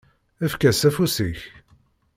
Efk-as afus-ik.